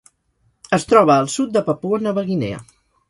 Es troba al sud de Papua Nova Guinea.